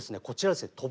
こちらですね